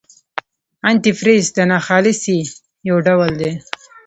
انتي فریز د ناخالصۍ یو ډول دی.